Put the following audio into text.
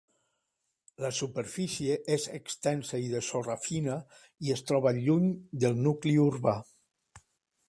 La superfície és extensa i de sorra fina, i es troba lluny del nucli urbà.